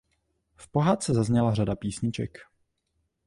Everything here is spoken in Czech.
V pohádce zazněla řada písniček.